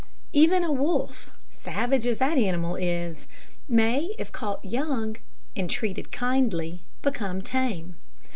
Even a wolf, savage as that animal is, may, if caught young, and treated kindly, become tame.